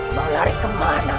mau lari kemana kau